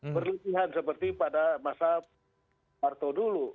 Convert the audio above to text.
berlebihan seperti pada masa martodulu